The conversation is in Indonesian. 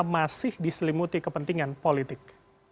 masih diselimuti kepentingan politik